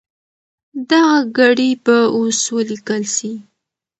دغه ګړې به اوس ولیکل سي.